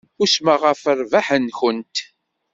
Usmeɣ ɣef rrbeḥ-nkent.